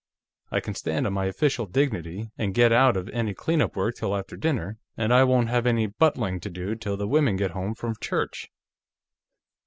"I can stand on my official dignity, and get out of any cleaning up work till after dinner, and I won't have any buttling to do till the women get home from church."